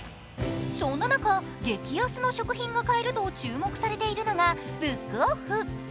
そんな中、激安な食品が買えると注目されているのがブックオフ。